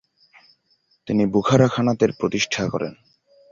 তিনি বুখারা খানাতের প্রতিষ্ঠা করেন।